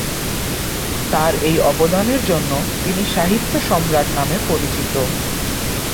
তার এই অবদানের জন্য তিনি সাহিত্য সম্রাট নামে পরিচিত।